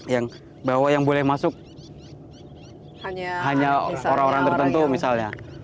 yang bahwa yang boleh masuk hanya orang orang tertentu misalnya